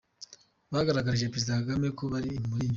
Bagaragarije Perezida Kagame ko bamuri inyuma.